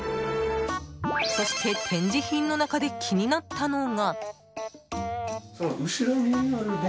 そして、展示品の中で気になったのが。